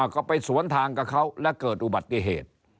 ก็ไปสวนทางกับเขาและเกิดอุบัติเหตุ